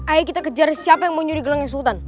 ayo kita kejar siapa yang mau nyuri gelangi sultan